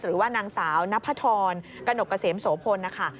หรือว่านางสาวนพธรกระหนกเกษมโสพลนะคะ